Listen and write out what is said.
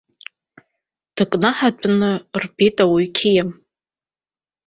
Дыкнаҳатәны рбеит ауаҩ қьиа.